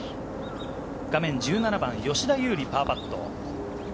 画面１７番、吉田優利、パーパット。